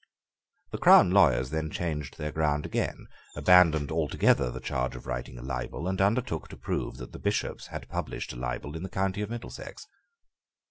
The crown lawyers then changed their ground again, abandoned altogether the charge of writing a libel, and undertook to prove that the Bishops had published a libel in the county of Middlesex.